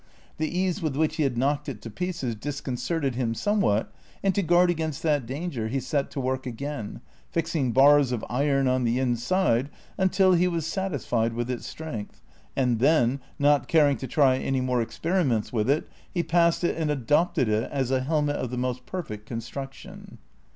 The ease with which he liad knocked it to pieces dis concerted him somewhat, and to guavd against that danger he set to work again, fixing bars of iron on the inside until he was satisiied Avith its strength ; and then, not caring to try any more experiments Avith it, he passed it and adopted it as a helmet of the most jjerfect construction.